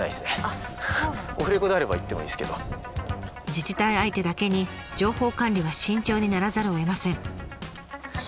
自治体相手だけに情報管理は慎重にならざるをえません。